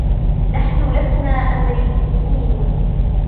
نحن لسنا أمريكيين.